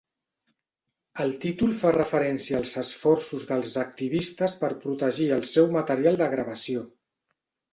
El títol fa referència als esforços dels activistes per protegir el seu material de gravació.